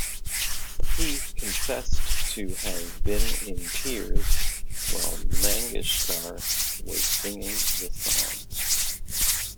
He confessed to have been in tears while Mangeshkar was singing the song.